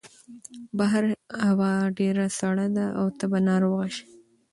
بهر هوا ډېره سړه ده او ته به ناروغه شې.